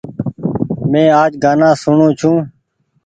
مين آج گآنآ سوڻو ڇون۔